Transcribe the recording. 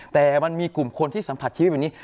แต่มันมีกลุ่มคนที่สัมผัสชีวิตแบบนี้